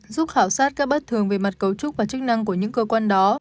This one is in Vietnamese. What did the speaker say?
giúp khảo sát các bất thường về mặt cấu trúc và chức năng của những cơ quan đó